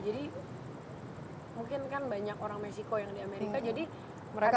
jadi mungkin kan banyak orang meksiko yang di amerika